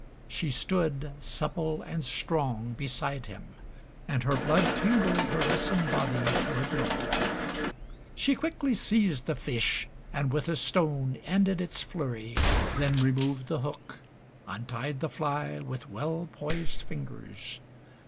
She stood, Supple and strong, beside him, and her blood Tingled her lissom body to a glow. XII She quickly seized the fish and with a stone Ended its flurry, then removed the hook, Untied the fly with well poised fingers.